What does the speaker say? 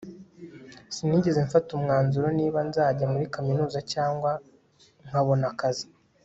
sinigeze mfata umwanzuro niba nzajya muri kaminuza cyangwa nkabona akazi